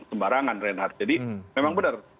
sembarangan reinhard jadi memang benar